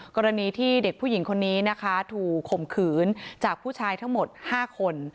กรณีที่เด็กผู้หญิงคนนี้นะคะถูกข่มขืนจากผู้ชายทั้งหมด๕คน